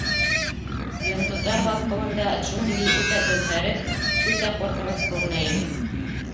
Йондоҙҙар балҡыуында джунгли үтә дөмһәреп, үтә ҡурҡыныс күренә ине.